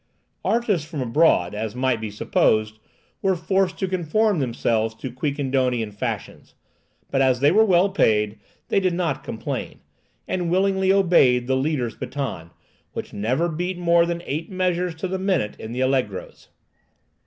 Artists from abroad, as might be supposed, were forced to conform themselves to Quiquendonian fashions; but as they were well paid, they did not complain, and willingly obeyed the leader's baton, which never beat more than eight measures to the minute in the allegros.